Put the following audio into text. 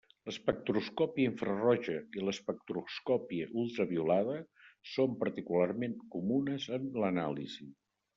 L'espectroscòpia infraroja i l'espectroscòpia ultraviolada són particularment comunes en l'anàlisi.